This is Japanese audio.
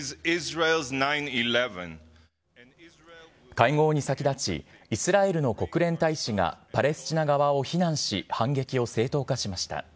会合に先立ち、イスラエルの国連大使がパレスチナ側を非難し、反撃を正当化しました。